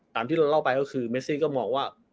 ตามที่เราเล่าไปก็คือเมซี่ก็มองว่า